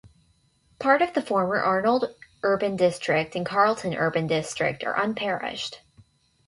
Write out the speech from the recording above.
Part of the former Arnold Urban District and Carlton Urban District are unparished.